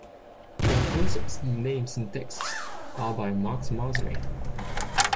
All concepts, names and texts are by Max Masri.